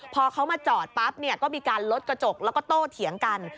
พอเขามาจอดปั๊บเนี่ยก็มีการลดกระจกแล้วก็โตเถียงกัน